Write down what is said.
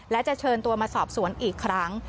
และจะเชิญตัวมาสอบสวนอีกครั้ง